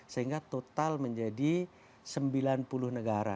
sehingga total menjadi sembilan puluh negara